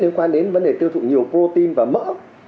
liên quan đến vấn đề tiêu thụ nhiều protein và mỡ